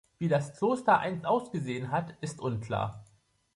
Wie das Kloster einst ausgesehen hat, ist unklar.